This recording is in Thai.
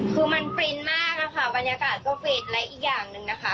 คือมันฟินมากอะค่ะบรรยากาศก็ฟินและอีกอย่างหนึ่งนะคะ